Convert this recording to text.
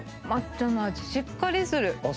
抹茶の味しっかりする。